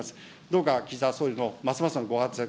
どうか、岸田総理のますますのご活躍